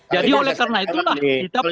jadi oleh karena itulah kita perlu